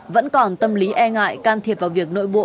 vẫn còn tâm lý e ngại can thiệp vào việc nội bộ